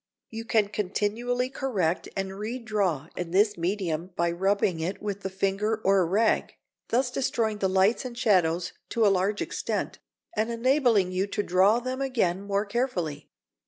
You can continually correct and redraw in this medium by rubbing it with the finger or a rag, thus destroying the lights and shadows to a large extent, and enabling you to draw them again more carefully.